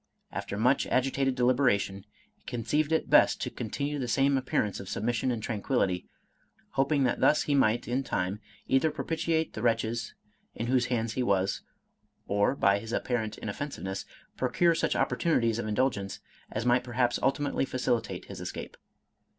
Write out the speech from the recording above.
After much agitated deliberation, he conceived it best to continue the same appearance of sub mission and tranquillity, hoping that thus he might in time either propitiate the wretches in whose hands he was, or, by his apparent inoffensiveness, procure such opportunities of indulgence, as might perhaps ultimately facilitate his es cape.